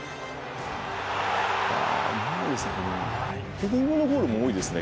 ヘディングのゴールも多いですね。